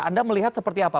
anda melihat seperti apa